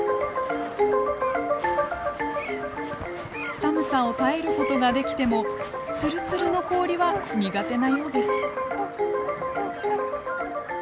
寒さを耐えることができてもツルツルの氷は苦手なようです。